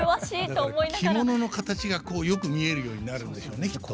だから着物の形がこうよく見えるようになるんでしょうねきっと。